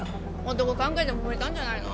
男関係でもめたんじゃないの？